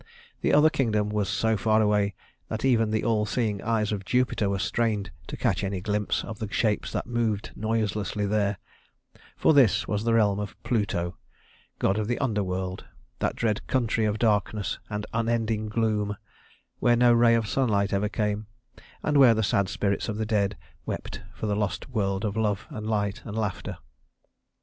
The other kingdom was so far away that even the all seeing eyes of Jupiter were strained to catch any glimpse of the shapes that moved noiselessly there, for this was the realm of Pluto, god of the underworld, that dread country of darkness and unending gloom, where no ray of sunlight ever came, and where the sad spirits of the dead wept for the lost world of love and light and laughter.